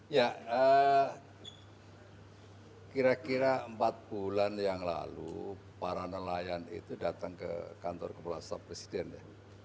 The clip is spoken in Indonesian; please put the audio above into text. ya kira kira empat bulan yang lalu para nelayan itu datang ke kantor kepala staf presiden ya